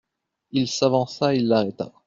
Il s'avança, il l'arrêta.